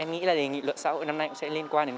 em nghĩ là đề nghị luận xã hội năm nay cũng sẽ lên cùng